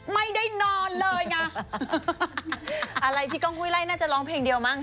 ไม่ได้นอนเลยไงอะไรที่กล้องหุ้ยไล่น่าจะร้องเพลงเดียวมั้